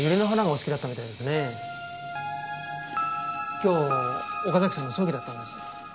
今日岡崎さんの葬儀だったんです。